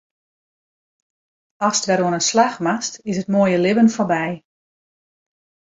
Ast wer oan 'e slach moatst, is it moaie libben foarby.